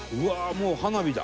もう花火だ！」